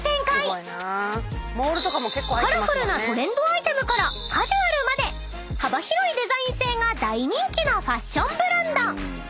［カラフルなトレンドアイテムからカジュアルまで幅広いデザイン性が大人気のファッションブランド］